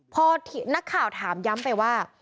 พอนักข่าวถามย้ำไปว่า